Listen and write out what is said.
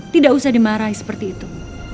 tidak usah dimarahi seperti itu